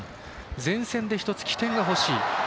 前線で、１つ起点がほしい。